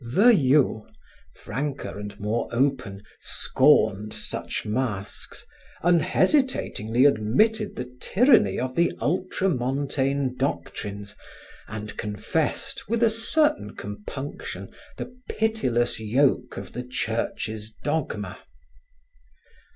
Veuillot, franker and more open, scorned such masks, unhesitatingly admitted the tyranny of the ultramontaine doctrines and confessed, with a certain compunction, the pitiless yoke of the Church's dogma.